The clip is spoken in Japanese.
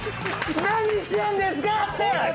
何してんですかって！